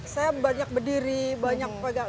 saya banyak berdiri banyak